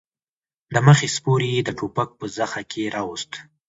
د مخې سپور يې د ټوپک په زخه کې راووست.